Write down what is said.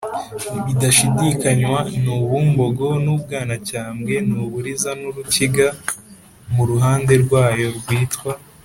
bidashidikanywa, ni ubumbogo n’ubwanacyambwe, n’uburiza n’urukiga mu ruhande rwayo rwitwa